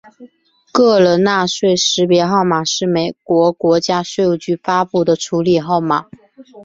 个人纳税识别号码是由美国国家税务局发布的处理号码。